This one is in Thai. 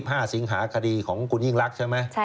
วันที่๒๕สิงหาคดีของคุณยิ่งลักษณ์ใช่ไหม